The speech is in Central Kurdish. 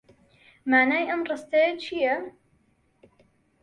مانای ئەم ڕستەیە چییە؟